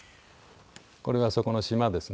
これはそこの島ですね。